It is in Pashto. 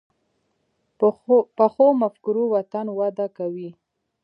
پخو مفکورو وطن وده کوي